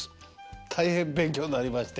大変勉強になりまして。